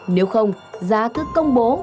nếu không giá cứ công bố